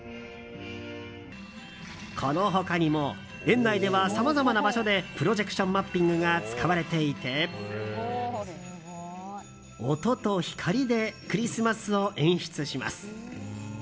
この他にも園内ではさまざまな場所でプロジェクションマッピングが使われていて音と光でクリスマスを演出します。